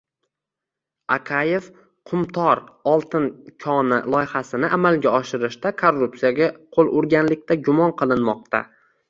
Akayev “Qumtor” oltin koni loyihasini amalga oshirishda korrupsiyaga qo‘l urganlikda gumon qilinmoqda